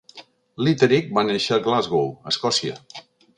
Litterick va néixer a Glasgow, Escòcia.